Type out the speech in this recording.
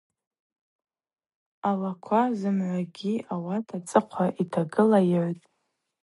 Алаква зымгӏвагьи ауи ацӏыхъва йтагыла йыгӏвтӏ.